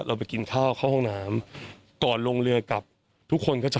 ไปกินข้าวเข้าห้องน้ำก่อนลงเรือกลับทุกคนก็จะ